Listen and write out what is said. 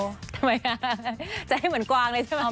ทำไมใจให้เหมือนกวางเลยใช่ไหม